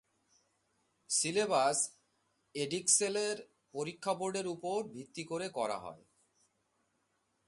Syllabus এডিক্সেলের পরীক্ষা বোর্ডের উপর ভিত্তি করে করা হয়।